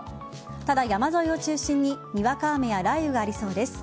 ただ、山沿いを中心ににわか雨や雷雨がありそうです。